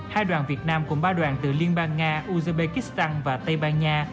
hai đoàn việt nam cùng ba đoàn từ liên bang nga uzbekistan và tây ban nha